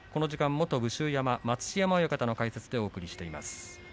元武州山の待乳山親方の解説でお送りしています。